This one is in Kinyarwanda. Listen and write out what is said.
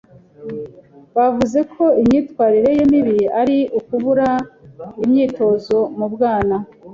Bavuze ko imyitwarire ye mibi ari ukubura imyitozo mu bwana.